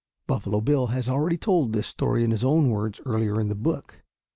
Buffalo Bill has already told this story in his own words earlier in the book.